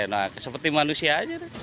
nah seperti manusia aja